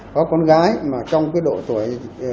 có con gái mà trong cái độ tuổi